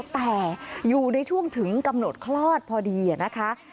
แต่อยู่ในช่วงถึงกำหนดคลอดพอดีนะคะ